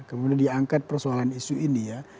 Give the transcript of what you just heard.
kemudian diangkat persoalan isu ini ya